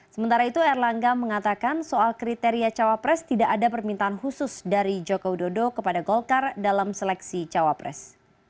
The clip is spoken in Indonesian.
sementara itu erlangga mengatakan soal kriteria jawab pres tidak ada permintaan khusus dari jokowi dodo kepada golkar dalam seleksi jawab pres